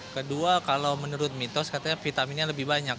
kedua kalau menurut mitos katanya vitaminnya lebih banyak